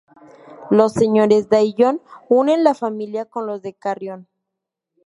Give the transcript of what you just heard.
Los señores de Ayllón unen la familia con los de Carrión.